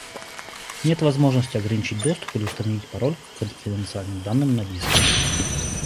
Нет возможности ограничить доступ или установить пароль к конфиденциальным данным на диске